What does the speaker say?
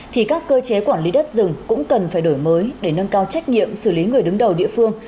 thì các cơ chế quản lý đất rừng cũng cần phải đổi mới để nâng cao trách nhiệm xử lý người đứng đầu địa phương